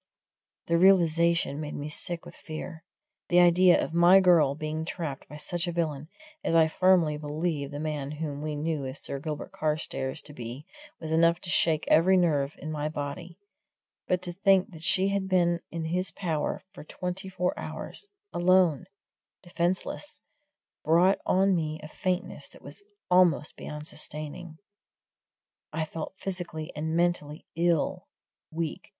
The realization made me sick with fear. The idea of my girl being trapped by such a villain as I firmly believed the man whom we knew as Sir Gilbert Carstairs to be was enough to shake every nerve in my body; but to think that she had been in his power for twenty four hours, alone, defenceless, brought on me a faintness that was almost beyond sustaining. I felt physically and mentally ill weak.